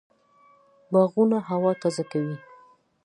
باغونه هوا تازه کوي